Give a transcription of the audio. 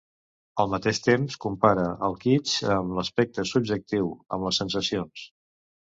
Al mateix temps, compara el kitsch amb l’aspecte subjectiu, amb les sensacions.